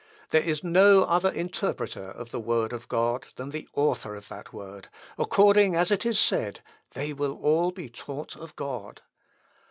There is no other interpreter of the word of God than the Author of that word according as it is said, 'They will all be taught of God.'